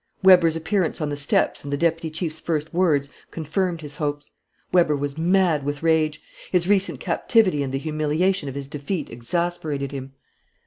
Weber's appearance on the steps and the deputy chief's first words confirmed his hopes. Weber was mad with rage. His recent captivity and the humiliation of his defeat exasperated him.